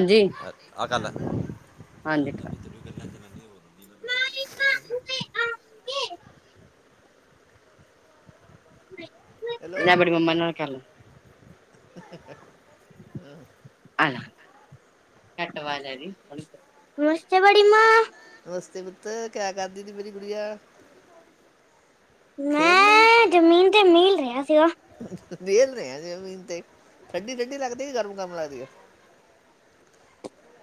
ਹਾਂਜੀ ਆ ਗੱਲ ਹੈ। ਹਾਂਜੀ। [unintelligible] [unintelligible] ਹੈਲੋ ਇਹ ਬੜ ਮ ਮਨ ਕਰੱਲ ਨਮਸਤੇ ਬਾਡੀ ਮਾ ਨਮਸਤੇ ਪੁੱਤਰ ਕਿਆ ਕਰਦੀ ਦੀ ਮੇਰੀ ਕੁੜੀਆ। ਮੈਂ ਜ਼ਮੀਨ ਦੇ ਮੀਲ ਰਿਹਾ ਸੀਗਾ ਵੇਲ ਰ ਹਜਮੀਨ ਤੇ ਠੰਡੀ ਠੰਢਡੀ ਲੱਗਦੀ ਗਰਮ ਗਰਮ ਲੱਗਦੀ ਹੈ।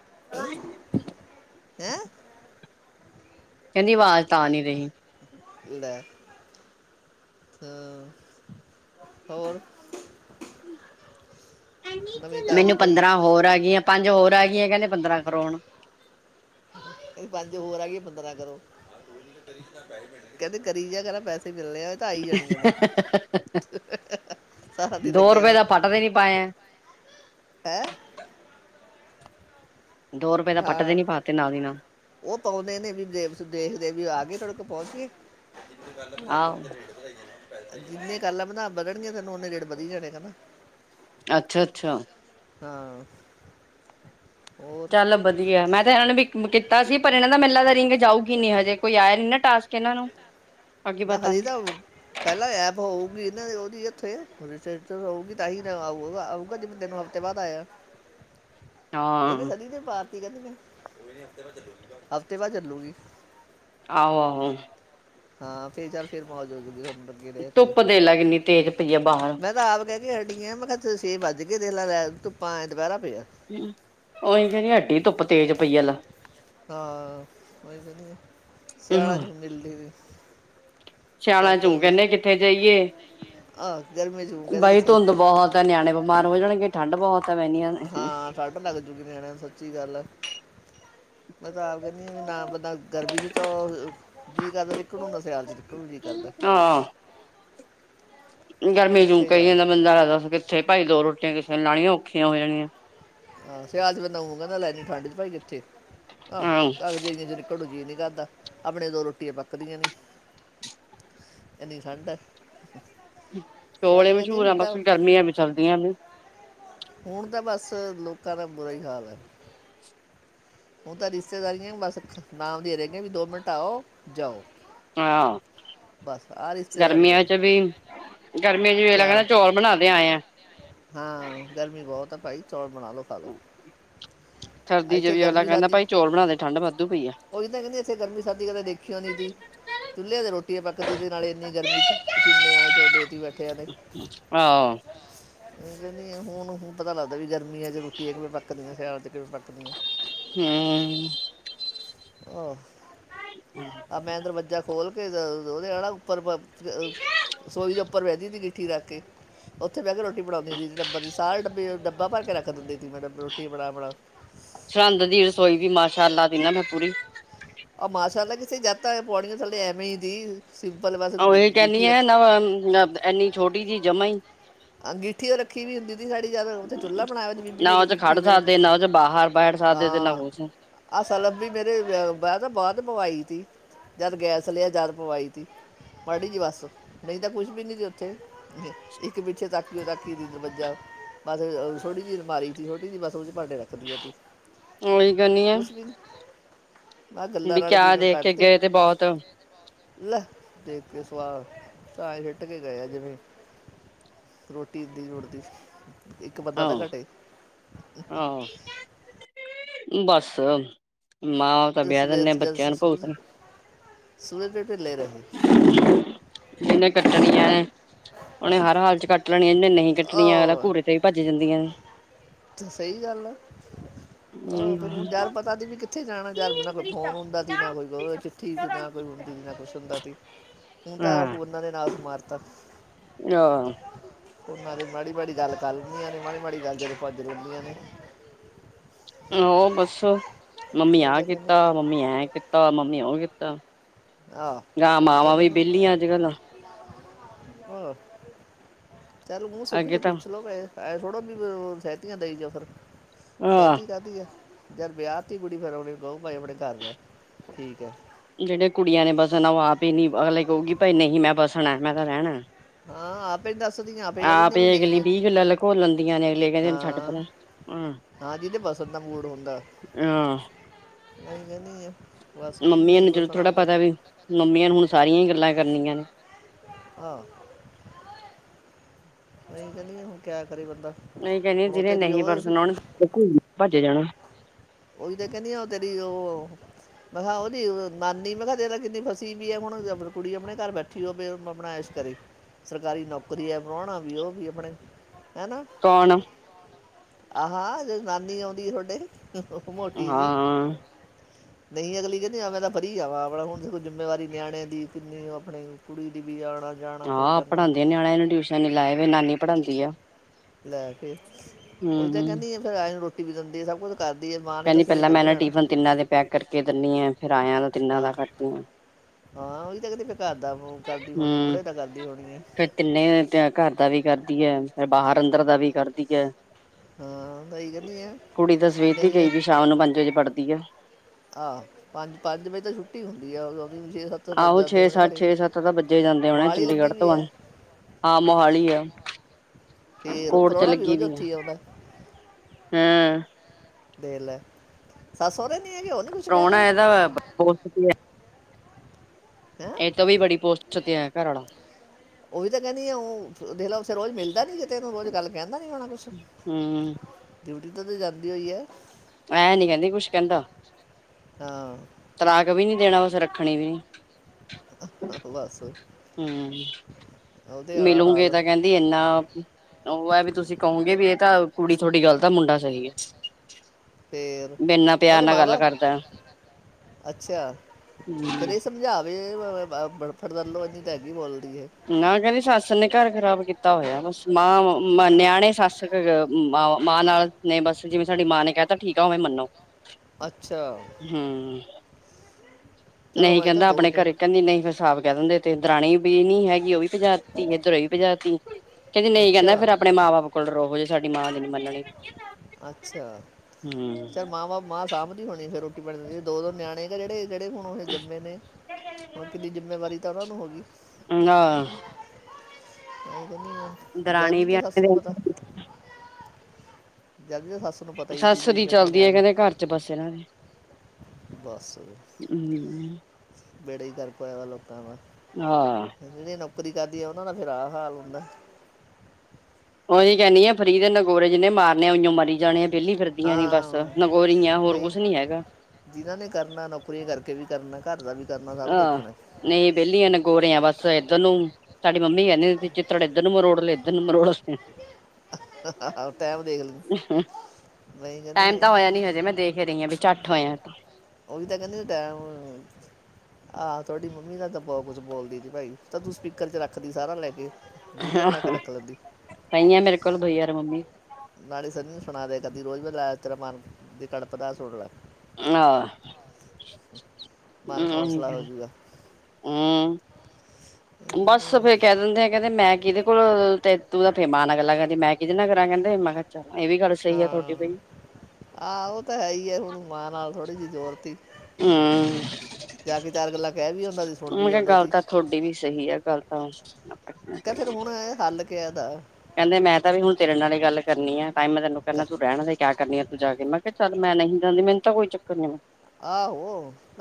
[unintelligible] ਹੈ ਕਹਿੰਦੀ ਆਵਾਜ਼ ਤਾਂ ਆ ਨਹੀਂ ਰਹੀ। ਲੈ ਹਾਂ, ਹੋਰ ਨਵੀਂ ਤਾਜੀ ਮੈਨੂੰ ਕੋਈ ਪੰਦਰਾਂ ਹੋਰ ਆ ਗਈਆਂ ਪੰਜ ਹੋਰ ਆ ਗ ਕਹਿੰਦੇ ਪੰਦਰਾਂ ਕਰੋਣ ਕ ਪੰਜ ਹੋਰ ਆ ਗਏ ਪੰਦਰਾਂ ਕਰੋ ਕਹਿੰਦੇ ਕਰੀ ਜਾ ਕਰਾ ਪੈਸੇ ਮਲ ਤਾਂ ਆਈ ਜਾਣੀਆਂ ਨੇ ਸਾਰ ਨ ਦੋ ਲੱਗਿਆ ਰੁਪਏ ਹੈਂ। ਦਾ ਫੱਟ ਤੇ ਨੀ ਪਾਇਆ ਦੋ ਰੁਪਏ ਦਾ ਫੱਟ ਤੇ ਹਾਂ ਨੀ ਪਾਤੇ ਨਾਲ ਦੀ ਨਾਲ ਉਹ ਪਾਉਂਦੇ ਨੇ ਵੀ ਦੇਖਦੇਵ ਆ ਗਏ ਤੁਹਾਡੇ ਕੋਲ ਪਹੁੰਚਏ ਜ ਵੱਲ ਆਹੋ ਰਹੀੜਹੀ ਜਿੰਨੀਆਂ ਗੱਲਾਂ ਬਧ ਵਧਣਗੀਆਂ ਤੈਨੂੰ ਓਨੇ ਰੇਟ ਵਧੀ ਜਾਣੇ ਹਨਾ। ਅੱਛਾ ਅੱਛਾ। ਹਾਂ। ਹੋਰ ਚੱਲ ਵਧੀਆ ਮੈਂ ਤੇ ਇਹਨਾਂ ਨੂੰ ਵੀ ਕੀਤਾ ਸੀ ਪਰ ਇਹਨਾਂ ਦਾ ਮੇਨ ਲਗਦਾ ਰਿੰਗ ਜਾਊਗੀ ਨੀ ਹਜੇ ਕੋਈ ਆਯਾ ਨੀ ਨਾ ਟਾਸਕ। ਕਿਹਨਾਂ ਨੂੰ। ਅੱਗੇ ਨਾ ਪਤਾ ਹਜੇ ਨੀ ਜਾਓ, ਪਹਿਲਾਂ ਐਪ ਹੋਊਗੀ ਇਹਨਾਂ ਦੀ ਉਹਦੀ ਉੱਥੇ। ਰਜਿਸਟਰ ਹੋਊਗੀ ਤਾਂ ਹੀ ਤੈਨੂੰ ਆਊਗਾ ਆਊਗਾ ਜਬ ਤੈਨ ਹਫ਼ਤੇ ਬਾਅਦ ਆਇਆ। ਹਾਂ ਇਹਨੇ ਸਨੀ ਦੇ ਪਾਰ ਕੀ ਕਹਿੰਦੇ ਨੇ, ਹਫ਼ਤੇ ਬਾਅਦ ਚੱਲੂਗੀ। ਆਹੋ ਆਹੋ। ਹਾਂ ਫੇਰ ਚੱਲ ਫੇਰ ਮੌਜ ਹੋਜੂਗੀ ਹ ਧੁੱਪ ਦੇਖ ਲੈ ਕਿੰਨੀ ਤੇਜ਼ ਪਈ ਆ ਬਾਹਰ। ਇਥੇ ਛੇ ਵੱਜ ਕੇ ਦੇਲ ਲੈ, ਧੁਪਾ ਐਏ ਦੁਪਹਿਰਾ। ਪਿਆ ਔ ਇਂਜ ਚੜ੍ਹਿਆ, ਹੱਟੀ ਧੁੱਪ ਤੇਜ ਪਈ ਹੈ ਲ। ਹਾਂ ਕੋਈ [unintelligible] ਲੈ ਸਿਆਨਾ ਜੋ ਮਿਲਦੀ। ਚੱਲ ਸਿਆਲਾਂ ਚੂੰ ਕਹਿੰਨੇ ਤਾਂ ਕਿੱਥੇ ਜਾਈਏ? ਆ ਗਰਮੀ ਚ ਹੂੰ ਕਹਿੰਦੇ ਬਾਈ ਕਿੱਥੇ ਧੁੰਦ ਬਹੁਤ ਹੈ ਨਿਆਣੇ ਬਿਮਾਰ ਹੋ ਜਾਣਗੇ, ਠੰਢ ਬਹੁਤ ਹੈ ਪੈਣੀਆਂ ਨੇ ਹਾਂ, ਸੱਟ ਲੱਗ ਜੁਗੀ ਨਿਆਣੇ ਦੇ ਸੱਚੀ ਗੱਲ ਏ। ਮੈਂ ਤਾਂ ਆਪ ਕਹਿੰਦੀ ਹ ਵੀ ਨਾ ਬੰਦਾ ਗਰਮੀ ਚ ਚੋ ਜੀ ਕਰਦਾ ਰਕ [unintelligible] ਨੂੰ ਹੁੰਦਾ ਸਿਆਲ ਚ ਰਕ [unintelligible] ਵੀ ਜੀ ਕਰਦਾ। ਹਾਂ ਗਰਮੀ ਜੂਮ ਕਿੱਥੇ ਕਹੀ ਜਾ ਜਾਂਦਾ ਬੰਦਾ ਦਸ ਕਿੱਥੇ ਭਾਈ ਦੋ ਰੋਟੀ ਕਿਸੇ ਲਾਣੀਆਂ ਔਖੀਆਂ ਹੋ ਜਾਣੀਆਂ? ਅਹ ਸਿਆਲ ਚ ਬਂਦਾ ਓਮ ਕਹਿੰਦਾ ਲੈਜੀ ਠੰਡ ਚ ਭਾਈ ਕਿੱਥੇ ਅਹ ਹਾਂ ਹਦੇ [unintelligible] ਚੋਂ ਨਿਕਲੂ ਜੀ ਨੀ ਕਰਦਾ। ਆਪਣੇ ਦੋ ਰੋਟੀਆਂ ਪੱਕਦੀਆਂ ਨੀ, ਇਨੀ ਠੰਡ ਹੈ। ਚੋਲੇ ਸਹੀ ਕਹਿੰਦੀ ਮਸ਼ਹੂਰ ਆ ਹੁਣ ਤਾਂ ਬੱਸ ਗਰਮੀਆਂ ਵੀ ਚੱਲਦੀਆਂ ਨੇ। ਹੁਣ ਤਾਂ ਬਸ ਲੋਕਾਂ ਦਾ ਬੁਰਾ ਹੀ ਹਾਲ ਹੈ। ਹੁਣ ਤਾਂ ਰਿਸ਼ਤੇਦਾਰੀਆਂ ਬਸ ਨਾਮ ਦੇ ਰਹਿ ਗਈ ਵੀ ਦੋ ਮਿੰਟ ਆਓ ਜਾਓ। ਹਾਂ, ਬਸ ਆ ਰਿਸ਼ਤੇਦਾਰੀਆਂ ਗਰਮੀਆਂ ਨੇ ਚ ਵੀ, ਗਰਮੀਆਂ ਚ ਵੇ ਸਿਆਲ ਕਹਿੰਦਾ ਚੌਲ ਬਣਾਦੇ ਆਏ ਆ। ਹਾਂ ਗਰਮੀ ਬਹੁਤ ਆ ਭਾਈ ਚੌਲ ਬਣਾ ਲੋ ਖਾਲੋ। ਸਰਦੀ ਚ ਇੱਥੇ ਵੀ ਅਗਲਾ ਗਰਮੀ ਕਹਿੰਦਾ ਸ਼ਰਦੀ, ਭਾਈ ਚੌਲ ਬਣਾਦੇ ਠੰਢ ਵਾਧੂ ਪਈ ਆ ਉਹੀ ਤਾਂ ਕਹਿੰਦੀ ਇੱਥੇ ਗਰਮੀ ਸ਼ਰਦੀ ਕਦੇ ਦੇਖਿਓ ਨਹੀਂ ਜੀ। ਚੁੱਲੇ ਤੇ ਰੋਟੀ ਪੱਕਦੀ ਤੇ ਨਾਲੇ ਇੰਨੀ ਗਰਮੀ ਚ ਪਸੀਨੇ ਏ ਚੋੰਦੇ ਸੀ ਬੈਠੇਆ ਦੇ। ਆਹੋ [unintelligible] ਨਹੀਂ ਹੁਣ ਹੁਣ ਪਤਾ ਲੱਗਦਾ ਵੀ ਗਰਮੀ ਮੀਆਂ ਜ ਰੋਟੀਆ ਇੱਕ ਵੀ ਪੱਕਦੀਆਂ। ਹ [unintelligible] ਦੇ [unintelligible] ਹੂੰ‌। ਔ ਹ ਆ ਮੈਂ ਦਰਵਾਜਾ ਖੋਲ। ਉਹਦੇ ਆਾ ਉੱਪਰ ਰਸੋਈ ਦੇ ਉੱਪਰ ਬਹਿੰਦੀ ਹੁੰਦੀ ਗਿੱਠੀ ਰੱਖ ਕੇ ਉੱਥੇ ਬਹਿ ਕੇ ਰੋਟੀ ਬਣਾਉਂਦੀ ਹੁੰਦੀ ਸੀ ਡੱਬਾ ਦੀ ਸਾਰੇ ਡੱਬੇ ਡੱਬਾ ਭਰ ਕੇ ਰੱਖ ਦਿੰਦੇ ਸੀ ਮੈਂ ਡੱਬੇ ਰੋਟੀ ਬਣਾ ਬਣਾ ਸਰੰਦ ਦੀ ਰਸੋਈ ਵੀ ਮਾਸ਼ਾ ਅੱਲਾਹ ਦੀਨਾ ਮੈਂ ਪੂਰੀ ਜਾਤਾਂ ਪਾੌੜੀਆਂ ਥੱਲੇ ਐਵੇਂ ਹੀ ਸੀ। ਹੀ ਕਹਿੰਦੀ ਆ ਨਾ ਇਨੀ ਛੋਟੀ ਜਿਹੀ ਜਮਾ ਹੀ। ਗਿੱਠੀ ਰੱਖੀ ਵੀ ਹੁੰਦੀ ਗੰਦੀ ਸੀ ਉਥੇ ਚੁੱਲ੍ਹਾ ਬਣਾਇਆਦੀ ਮੀਮੀ ਨੇ ਨਾ ਉਹ ਚ ਖੜ ਗਿੱਠੀ ਮੇਰੇ ਸਕਦੇ ਨਾ ਉਹ ਚ ਬਾਹਰ ਬੈਠ ਸਕਦੇ ਤੇ ਨਾ ਹਾਂ ਕੁਛ ਆਸਾ ਲੱਭੀ ਮੇਰੇ ਤਾਂ ਬਾਅ ਪਵਾਈ ਸੀ। ਜਦ ਗੈਸ ਲਿਆ ਜਦ ਪਵਾਈ ਤੀ--ਮਾੜੀ ਜੀ ਬੱਸ ਨਹੀਂ ਤਾਂ ਕੁਛ ਵੀ ਨੀ ਸੀ ਉੱਥੇ ਪਿੱਛੇ ਤਾਕੀ ਤਾੱਕੀ ਦਰਵਾਜਾ ਬਸ ਜੀ ਛੋਟੀ ਜਿਹੀ ਅਲਮਾਰੀ ਸੀ ਛੋਟੀ ਜਹੀ ਬਸ ਵਡੇ ਰੱਖਦੀ ਆ ਤੂੰ ਉਹੀ ਕਹਿੰਨੀ ਆ ਕੁਛ ਵੀ ਨੀ ਵੀ ਕਿਆ ਦੇਖ ਕੇੱ ਗਏ ਤੇ ਬਹੁਤ ਲੈ ਦੇਖ ਕੇ ਸਵਾਲ ਸਏ ਹਿੱਟ ਕੇ ਗਏ ਜਿਵੇਂ ਰੋਟੀ ਦੀ ਲੋੜਦੀ ਹਾਂ ਹਾ ਬੱਸ ਮਾਂ ਬਾਪ ਤਾਂ ਵਿਆਹ ਦਿੰਦੇ ਆ ਬੱਚਿਆਂ ਨੂੰ ਭੁਗਤ [inaudible] ਫਿਰੱਲ ਰ ਸੀ ਜਿਹਨੇ ਉਹਨੇ ਹਰ ਹਾਲ ਚ ਕੱਟ ਲੈਣਾ। ਨਹੀਂ ਕੱਟਣੀਆਂ ਉਹ ਘੂਰੇ ਤੇ ਵੀ ਭੱਜ ਜਾਂਦੀਆਂ। ਆਹ ਨੇ ਫਿਰ ਹੁਣ ਯਾਰ ਪਤਾ ਤ ਵੀ ਕਿੱਥੇ ਜਾਣਾ ਯਾਰ ਕੋਈ ਫੋਨ ਹੁੰਦਾ ਸੀ ਨਾ ਕੋਈ ਚਿੱਠੀ ਨਾ ਕੋਈ ਹੁੰਦੀ ਸੀ ਨਾ ਕੁਛ ਹੁੰਦਾ ਸੀ। ਹ ਤਾਂ ਹਾਂ ਉਹਨਾਂ ਦੇ ਨਾਲ ਮਾਰ ਤਬ ਆਹ ਉਹਨਾਂ ਦੀ ਮਾੜੀ ਮਾੜੀ ਗੱਲ ਕਰ ਲੈਂਦੀ ਨੇ ਮਾੜੀ, ਮਾੜੀ ਗੱਲ ਜਦੋਂ ਭੱਜ ਲੈਂਦੀ ਨੇ। ਆਹ ਬੱਸ ਮੰਮੀ ਆ ਉਹ ਤਾਂ ਕੀਤਾ, ਕਹਿੰਦੀ ਆ ਮੰਮੀ ਐਂ ਕੀਤਾ, ਮੰਮੀ ਉਹ ਕੀਤਾ। ਤਾਂ। ਆਹ ਉਲਟ ਗ ਵਿਹਲੀਆਂ ਅੱਜ ਕੱਲ ਹੋ ਚੱਲੋ ਮੂੰ ਸੁਖ ਤੋਂਚ ਅੱਗੇ ਤਾਂ ਪੁੱਛ ਲ ਲੋ ਕ ਐ ਥੋੜੋ ਵੀ ਸਹਿਤੀਆਂ ਦਈ ਜਾ ਫਿਰ ਆਹ ਸਹਿਤੀ ਕਾਹਦੀ ਹੈ। ਯਾਰ ਵਿਆਹ ਤੇ ਕੁੜੀ ਫੇਿਰ ਆਉਣੀ ਕਹੋ ਭਾਈ ਆਪਣੇ ਘਰ ਠੀਕ ਹੈ। ਜਿਹੜੇ ਕੁੜੀਆਂ ਨੇ ਬਸਣ ਉਹ ਆਪ ਹੀ ਨੀ ਅਗਲੇ ਕਹੂਗੀ ਭਾਈ ਨਹੀਂ ਮੈਂ ਬਸਣਾ। ਮੈਂ ਤਾਂ ਰਹਿਣਾ। ਹਾਂ ਆਪੇ ਦੱਸਦੀ ਆਪੇ ਕ ਦਦੀ ਆਪ ਹੀ ਵੀ ਨਹੀਂ ਅਗਲੀ ਆ। ਵੀਹ ਗੱਲਾਂ ਲਕੋ ਲੈਂਦੀਆਂ ਨੇ ਅਗਲੇ ਕਹਿੰਦੇ ਛੱਡ ਹਾਂ ਪਰਾ। ਹਾਂ ਜਿਦੇ ਬਸੰਤ ਦਾ ਮੂਡ ਹੁੰਦਾ ਹਾਂ [inaudible] ਜਿਹਨੂੰ ਮੰਮੀਆਂ ਨਹੀਂ ਨੂੰ ਚਦੋ ਵਸਣਾ ਥੋੜ੍ਹਾ ਉਹਨੇ ਪਤਾ ਵੀ ਮੰਮੀਆਂ ਨੂੰ ਹੁਣ ਸਾਰੀਆਂ ਹੀ ਗੱਲਾਂ ਕਰਨੀਆਂ ਨੇ ਆਾਂ ਨਹੀਂ, ਗਰਮੀ ਹੁਣ ਕਹਿਰ ਨਹੀਂ ਕਹਿੰਦੀ, ਜਿਹਨੇ ਨਹੀਂ ਪਰ ਸੁਣਾ ਜਾਣਾ ਉਹੀ ਤੇ ਕਹਿੰਦੀ ਆ, ਉਹ ਤੇਰੀ ਉਹ ਮੈਂ ਕਿਹਾ, ਉਹ ਨੀ ਨਾਨੀ ਮੈਂ ਕਿਹਾ ਤੇਰਾ ਕਿੰਨੀ ਫਸੀ ਵੀ ਆ, ਹੁਣ ਕੁੜੀ ਆਪਣੇ ਘਰ ਬੈਠੀ ਉਹ ਆਪਣਾ ਐਸ਼ ਕਰੀ ਸਰਕਾਰੀ ਨੌਕਰੀ ਹੈ, ਪ੍ਰਹੁਣਾ ਵੀ ਉਹ ਵੀ ਆਪਣੇ ਹਨਾ, ਕੌਣ ਹਾਂ। ਆਹਾ ਨਾਨੀ, ਆਉਂਦੀ ਤੁਹਾਡੇ ਉਹ ਮੋਟੀ ਜੀ ਨਹੀਂ ਅਗਲੀ ਕਹਿੰਦੀ ਆ, ਮੈਂ ਤਾਂ ਫਰੀ ਜਾਵਾਂ ਆਪਣਾ ਹੁਣ ਦੇਖੋ ਜਿੰਮੇਵਾਰੀ ਨਿਆਣੇ ਦੀ ਕਿੰਨੀ ਉਹ ਆਪਣੀ ਕੁੜੀ ਦੀ ਵੀ ਆਣਾ ਹਾਂ ਪੜ੍ਹਾਂਦੇ ਨਿਆਣਿਆਂ ਨੂੰ, ਟਿਊਸ਼ਨ ਲਗਾਇਆ ਨਾਲੇ ਪੜ੍ਹਾਉਂਦੀ ਆ ਲੈ ਫੇਰ ਹੂੰ ਉਹੀ ਤਾਂ ਹੂੰ। ਕਹਿੰਦੀ, ਆ ਫਿਰ ਆਏ ਨੂੰ ਰੋ ਵੀ ਜਾਂਦੀ ਸਭ ਕੁਛ ਕਹਿੰਦੀ ਪਹਿਲਾਂ ਮੈਂ ਨਾ ਟਿਫਨ ਤਿੰਨਾਂ ਦੇ ਪੈਕ ਕਰਕੇ ਦਿੰਦੀ ਆ, ਫਿਰ ਆਇਆ ਦਾ ਤਿੰਨਾਂ ਦਾ ਹਾਂ ਕਰਦੀ ਆ ਹਾਂ ਉਹੀ ਤਾਂ ਕਹਿੰਦੀ ਫਿਰ ਘਰ ਦਾ ਉਹ ਕਰਦੀ ਹੋਣੀ ਹਮ ਬੁੜੇ ਦਾ ਕਰਦੀ ਹੋਣੀ ਆ ਫਿਰ ਤਿੰਨੇ ਘਰ ਦਾ ਵੀ ਕਰਦੀ ਹੈ, ਫਿਰ ਬਾਹਰ ਅੰਦਰ ਦਾ ਵੀ ਕਰਦੀ ਹੈ ਹਾਂ ਸਹੀ ਕਹਿੰਦੀ ਆ ਕੁੜੀ ਤਾਂ ਸਵੇਰ ਦੀ ਗਈ ਵੀ ਸ਼ਾਮ ਨੂੰ ਪੰਜ ਵਜੇ ਪੜ੍ਹਦੀ ਹੈ ਆਹੋ ਪੰਜ -ਪੰਜ, ਵਜੇ ਤੋਂ ਛੁੱਟੀ ਹੁੰਦੀ ਆ ਉ ਛੇ ਸੱ ਆਹੋ ਛੇ -ਸੱਤ, ਛੇ- ਸੱਤ ਤਾਂ ਬੱਜੇ ਜਾਂਦੇ ਹੋਣੇ ਮੋਹਾਲੀ ਲੱਗੀ ਚੰਡੀਗੜ੍ਹ ਵੀ ਤੋਂ ਆ ਹਾਂ ਮੋਹਾਲੀ ਕਲੀ ਹੈ। ਫੇਰ ਪ੍ਰਾਹੁਣਾ ਵੀ ਰੋਜ ਉੱਥੇ ਈ ਆਉਂਦਾ? ਹਮ ਦੇਖ ਲੈ, ਸੱਸ ਸੋਰੇ ਪ੍ਰਾਹੁਣਾ ਇਹਦਾ ਕਰੋੜਪਤੀ ਹੈ ਐ। ਹੈਂ, ਬੜੀ ਪੋਸਟ ਤੇ ਹੈ ਘਰ ਵਾਲਾ ਉਹ ਵੀ ਤਾਂ ਕਹਿੰਦੀ ਆ, ਉਹ ਦੇਖ ਲੇ ਰੋਜ਼ ਮਿਲ ੀ ਜੇ ਤਨੂੰ ਰੋ ਗੱਲ ਕਿੰਦਾ ਹੋਣਾ ਕੁਛ ਹਮ ਡਿਊਟੀ 'ਤੇ ਤਾਂ ਜਾਂਦੀ ਹੋਈ ਹੈ ਐ ਨੀ ਕਹਿੰਦੀ ਕੁਛ ਕਹਿੰਦਾ ਹਾਂ ਤਲਾਕ ਵੀ ਨੀ ਦੇਣਾ, ਵੈਸੇ ਰੱਖਣੀ ਵੀ ਨੀ ਬਸ ਹਮ ਉਹਦੇ ਵਾਲਾ ਮਿਲਗੇ, ਹਾਲ ਤਾਂ ਕਹਿੰਦੀ ਇੰਨਾ ਉਹ ਹੈ ਵੀ ਤੁਸੀਂ ਕਹੋਗੇ ਵੀ ਇਹ ਤਾਂ ਕੁੜੀ ਤੁਹਾਡੀ ਗੱਲ ਤਾਂ ਮੁੰਡਾ ਸਹੀ ਹੈ। ਫੇਰ ਵੀ ਇੰਨਾ ਪਿਆਰ ਉਹਦੇ ਨਾਲ ਮਾਂ ਗੱਲ ਬਾਪ ਕਰਦਾ ਅੱਛਾ ਹਮ ਫੇਰ ਇਹ ਸਮਝਾ ਬਫੜ ਦਰ ਲ ਅ ਤੇ ਹੈਗੀ ਬੋਲ ਨਾ ਕਹਿੰਦੀ ਸੱਸ ਸੱਸ ਨੇ ਘਰ ਖ਼ਰਾਬ ਕੀਤਾ ਹੋਇਆ ਬਸ ਮਾਂ ਨਿਆਣੇ ਸੱਸ ਮਾਂ ਨਾਲ ਨੇ ਬਸ ਜਿਵੇਂ ਸਾਡੀ ਮਾਂ ਨੇ ਕਹਿਤਾ ਠੀਕ ਆ ਉਵੇਂ ਮੰਨੋ। ਅੱਛਾ ਹਮ। ਚਲ ਨਹੀਂ ਹੋਏ ਤਾਂ ਕਹਿੰਦਾ ਦੋ ਆਪਣੇ ਨੇ ਘਰੇ ਕਹਿੰਦੀ ਨਹੀਂ ਫਸਾਵ ਕਹਿ ਦਿੰਦੇ ਤੇ ਦਰਾਣੀ ਵੀ ਨੀ ਹੈਗੇ। ਉਹ ਵੀ ਜਾਤੀ ਇੱਧਰੋਂ ਵੀ ਭਜਾਤੀ ਕਹਿੰਦੀ ਨਹੀਂ ਕਹਿੰਦਾ ਅੱਛਾ ਫਿਰਰਣੇ ਮਾਂ ਬਾਪ ਕੋਲ ਰੋ। ਸਾਡੀ ਮਾਂ ਦੇ ਨੀ ਮੰਨਣੀ। ਅੱਛਾ ਚ ਹਮ ਮ ਬਾਪ ਮ ਸਾਂਭ ਦੀ ਹੋਣੀ ਫਿਰ ਰੋਟੀ ਪਾਣੀ ਦਦੀ ਦੋ ਨਿਆਣੇ ਗ ਜਿਹੜੇ ਜਿਹੜੇ ਹੁਣ ਉਹ ਜਿੰਮੇ ਨੇ ਹੁਣ ਕਿੰਨੀ ਜਿੰਮੇਵਾਰੀ ਤਾਂ ਉਹਨਾਂ ਨੂੰ ਹੋ ਗਈ ਆਹ ਹ ਦਰਾਣੀ ਜਦੀ ਵੀ ਤ ਸੱਸ ਨੂੰ ਪਤਾ ਜਦ ਵੀ ਸੱਸ ਨੂੰ ਪਤਾ ਹੀ ਸੀ ਸੱਸ ਵੀ ਦੀ ਮੇਰੇ ਚਲਦੀ ਹੈ ਨਿਆਣੇ ਕਹਿੰਦੇ ਘਰ ਚ ਬੱਸੇ ਇਹਨਾਂ ਦੇ ਲੜਾਈ ਕਰਕੇ ਆਇਆ ਹਾਂ ਲੋਕੀ [unintelligible] ਨੌਕਰੀ ਕਰਦੀ ਆ ਉਹਨਾ ਦਾ ਫੇਿਰ ਆ ਹਾਲ ਹੁੰਦਾ ਦੀ ਕਹਿੰਦੀ ਆ ਫਰੀ ਦੇ ਨਗੋਰੇ ਜਿੰਹਨੇ ਮਾਰਨ ਆ ਉਓ ਮਰੀ ਜਾਣੇ ਵਿਹਲੀ ਫਿਰਦੀਆਂ ਨੇ ਬਸ ਹਾਂ ਨਗੋਰੀਆਂ ਹੋਰ ਨਹੀਂ ਕੁਛ ਨੀ ਹੈਗਾ ਜਿਹਨਾਂ ਨੇ ਕਰਨਾ ਨੌਕਰੀਆਂ ਕਰਕੇ ਵੀ ਕਰਨਾ ਘਰ ਦਾ ਵੀ ਕਰਨਾ ਸਭ ਆਹ ਦੇਖਣਾ ਨਹੀਂ ਵਿਹਲੀਆਂ ਨੇ ਗੋਰਿਆ ਬਸ ਇਏਧਰ ਨੂੰ ਸਾਡੀ ਮੰਮੀ ਕਹਿੰਦੀ ਸੀ ਚਿੱਤੜ ਇੱਧਰ ਨੂੰ ਮਰੋੜ ਲਏ ਇਧਰ ਨੂੰ ਮਰੋੜ ਟਾਈਮ ਦੇਖ ਲਈ ਮੈਂ ਕਹਿੰਦੀ ਟਾਈਮ ਹਾਂ, ਤਾਂ ਹੋਇਆ ਨੀ ਹਜੇ ਮੈਂ ਦੇਖ ਰਹੀ ਹਾਂ ਵੀ ਚੱਟ ਠ ਹੋਇਆ ਤ ਉਹ ਵੀ ਤਾਂ ਕਹਿੰਦੀ ਟਮ ਆਹ ਤੁਹਾਡੀ ਮੰਮੀ ਦਾ ਤਾਂ ਬਹੁਤ ਕੁਛ ਬੋਲਦੀ ਸੀ ਭਾਈ ਤਾਂ ਤੂੰ ਸਪੀਕਰ ਚ ਰੱਖਦੀ ਸਾਰਾ ਲੈ ਕੇ। ਵੀਡੀਓ ਬਣਾ ਕੇ ਰੱਖ ਲੈਂਦੀ ਸਈ ਆ ਮੇਰੇ ਕੋਲ ਬਈ ਯਾਰ ਮੰਮੀ ਨਾਲੀ ਸੰਨੀ ਨੂੰ ਸੁਣਾ ਦੇ ਕਦੀ ਰੋਜ਼ ਮ ਲਾਇ ਤੇਰਾ ਮਨ ਦੀ ਕਣਪ ਦਾ ਸੁਟ ਲ ਮਨ ਹੌਸਲਾ ਹੋ ਜਾਊਗਾ ਹਮ--ਹਮ ਬਸ ਫੇਰ ਕਹਿ ਦਿੰਦੇ ਆ ਕਹਿੰਦੇ ਮੈਂ ਕਿ ਇਹਦੇ ਕੋਲ ਤੂੰ ਤਾਂ ਫੇ ਮਾਂ ਨਾਲ ਗੱਲਲਾ ਕਹਦੀੈਂ ਕਿਹਦੇ ਨਾਲ ਕਰਾਂ ਕਹਿੰਦੇ ਮਾ ਖਰਾ ਹਾਂ ਆਹ ਉਹ ਤਾਂ ਹੈ ਹੀ ਹੈ ਹੁਣ ਮਾਂ ਨਾਲ ਥੋੜਾ ਜ ਜੋੋਰਤੀ ਹਾਂ। ਚਾਰ ਗੱਲਾਂ ਕਹਿ ਵੀ ਹੁੰਦਾ ਮ ਕਿਹਾ ਗੱਲ ਤਾਂ ਤੁਹਾਡੀ ਵੀ ਸਹੀ ਆ ਗੱਲਤ ਹਾਂ ਤੇ ਫੇਿਰ ਹੁਣ ਇਹ ਹੱਲ ਕ ਇਹਦਾ ਕਹਿੰਦੇ ਮੈਂ ਤਾਂ ਵੀ ਹੁਣ ਤੇਰੇ ਨਾਲ ਹੀ ਗੱਲ ਕਰਨੀ ਆ। ਟਾਈਮ ਤਨੂੰ ਇਹ ਤ ਕ- ਰਹਿ ਦਾ ਹੀ। ਕਿਆ ਕਰਨੀ ਆ ਤੂੰ ਜਾ ਕੇ ਮੈਂ ਕਿਹਾ ਚ ਮੈਂ ਨਹੀਂ ਜਾਂਦੀ ਮੈਨੂੰ ਤਾਂ ਕੋਈ ਚੱਕਰ ਨੀ ਮੈਂ। ਆਹੋ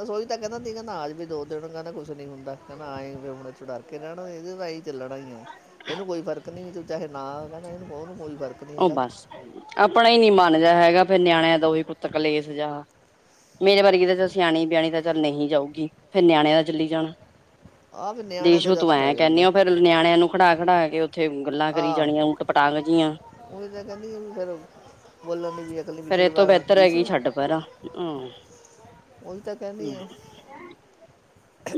ਰਸੋਹੀ ਤਾਂ ਕਹਿੰਦਾ ਸੀੀ ਅਜ ਵੀ ਦੋ ਦਿਨ ਕਹਿੰਦਾ ਕੁਛ ਨੀ ਹੁੰਦਾ। ਕਹਿੰਦਾ ਆਏਂ ਹ ਚੁਡਰ ਕੇ ਰਹਿਣਾ ਇਹਦੇ ਤਾਂਹੀ ਚੱਲਣਾ ਹੀ ਆਏ ਇਹਨੂੰ ਕੋਈ ਫਰਕ ਨੀ ਤੂੰ ਚਾਹੇ ਨਾ ਕਹਿੰਦਾ ਇਹਨੂੰ ਉਹਨੂੰ ਕੋ। ਉਹ ਬਸ ਆਪਣਾ ਹੀ ਨੀ ਮਨ ਜਾਹਾ ਹੈਗਾ ਫੇਿਰ ਨਿਆਣਿਆਂ ਦਾ ਉਹੀ ਪੁੱਤ ਕ ਲੇਸ ਜਹਾ ਮੇਰੇ ਵਰਗੀ ਦਾ ਚ ਸਿਆਣੀ ਵਿਆਣੀ ਦਾ ਗੱਲ ਨਹੀਂ ਜਾਊਗੀ ਫੇਿਰ ਨਿਆਣੇ ਦਾ ਚੱਲੀ ਜਾਣਾ ਆ ਵੀ ਨਿਆਣਿਆਂ ਤੋਂ ਦੇਸ਼ੋ ਤੂੰ ਜ਼ਿਆਦਾ ਪੈ ਐਂ ਜਾਂਦਾ ਕਹਿੰਦੇ ਫੇਰ ਨਿਆਣਿਆਂ ਨੂੰ ਖੜਾ ਖੜਾ ਕੇ ਉੱਥੇ ਗੱਲਾਂ ਕਰੀ ਜਾਣੀਆਂ ਉਲਟ ਪਟਾਗ ਜਆਂ। ਹੀ ਤਾਂ ਕਹਿੰਦੀ ਫੇਿਰ ਬੋਲਣ ਦੀ ਵੀ ਅਕਲੀ ਫੇਰ ਇਹ ਪਿਛਲੇ ਤੋਂ ਬਿਹਤਰ ਵਾਰਦੀ ਹੈਗੀ ਸੂ ਛੱਡ ਪਰਾਂ ਹੂੰ ਹੀ ਤਾਂ ਕਹਿੰਦੀ ਆ।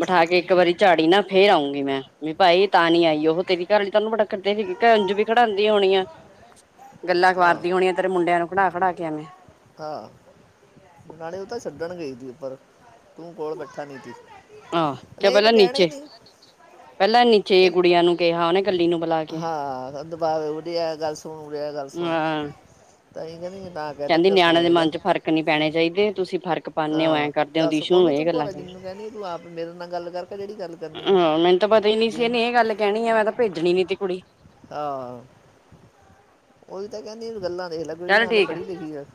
ਬਿਠਾ ਕੇ ਇੱਕ ਵਾਰੀ ਝਾੜੀ ਨਾ ਫੇਰ ਆਉਂਗੀ। ਮੈਂ ਵੀ ਭਾਈ ਤਾਂ ਨੀ ਆਈ ਉਹ ਤੇਰੀ ਘਰ ਲਈ ਤਹਨੂੰ ਬੜਕਦੇ ਸੀ ਘ ਅੰਝ ਵੀ ਖੜਾਂਦੀ ਹੋਣੀ ਆ। ਗੱਲਾਂ ਹਾਂ ਖਵਾਰਦੀ ਹੋਣੀਆਂ ਤੇਰੇ ਮੁੰਡਿਆਂ ਨੂੰ ਖੜਾ ਖੜਾ ਕੇ ਐਵੇਂ। ਹਾਂ ਪਰ ਤੂੰ ਕੋਲ ਬੈਠਾ ਨੀ ਤੀ ਆਹੋ ਚ ਪਹਿਲਾਂ ਨੀਚੇ ਪਹਿਲਾਂ ਨੀਚੇ ਇਹ- ਗੁੜੀਆਂ ਨੂੰ ਕਿਹਾ ਉਹਨੇ ਕੱਲੀ ਨੂੰ ਬੁਲਾ ਕੇ ਹਾਂ ਦੁਬਾਵੇ ਉੜੀ ਆ ਗੱਲ ਸੁਣ ਉਡੀੀ ਆਆ ਗੱਲ ਸੁਣ ਹਾਂ ਤਾਂ ਇਹ ਵੀ ਨਾ ਕਹਤਾ ਕਹਿੰਦੀ ਤਾਂ ਨਿਆਣਿਆਂ ਦੇ ਸੁਣਿਆ ਜਾ ਮਨ ਚ ਫਰਕ ਨਹੀਂੀ ਪੈਣੇ ਚਾਹੀਦੇ ਤੁਸੀਂ। ਫ਼ਰਕ ਪਾਉਦੇ ਹੋ ਐਂ ਹਾਂ ਕਰਦੇਓ ਦੱਸ ਦੀਸ਼ੂ ਨੂੰ ਉਹਨੂੰ ਇਹ ਤੂੰ ਗੱਲਾਂ ਭੋਰਾ ਹਹ ਜਿੰਨੂੰ ਕਹਿੰਦੀ ਤੂੰ ਆਪ ਮੇਰੇ ਨਾਲ ਗੱਲ ਕਰਕੇ ਜਿਹੜੀ ਗੱਲ ਕਰਨੀ ਹੈ ਮੈਨੂੰ ਤਾਂ ਪਤਾ ਹੀ ਨੀ ਵੀ ਸੀ ਇਹਨੂੰ- ਇਹਨੇ ਇਹ ਗੱਲ ਕਹਿਣੀ ਆ ਮੈਂ ਤਾਂ ਭੇਜਣੀ ਨੀ ਤੀ ਕੁੜੀ। ਆਾਂ। ਨਹੀਂ ਬੱਲ ਇਹ ਲਗਈ ਚੱਲ ਹੇ ਠੀਕ ਪੜ੍ਹੀ ਆ ਲਿਖੀ ਹੈ।